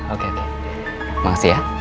oke pak makasih ya